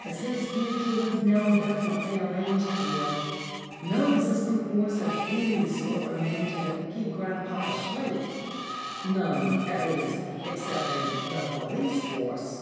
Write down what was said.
As his future was now definitely arranged for, no existing force of any sort remained to keep grandpapa straight none, at least, excepting the police force.